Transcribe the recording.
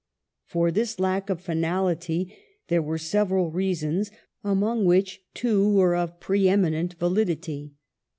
For this lack of finality there were several reasons, among which two were of pre eminent validity.